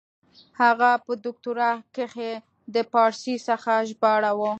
هغه په دوکتورا کښي د پاړسي څخه ژباړه وه.